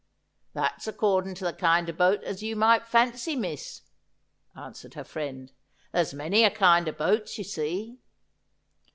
' That's accordin' to the kind o' boat as you might fancy, miss,' answered her friend. ' There's a many kind o' boats, you see.'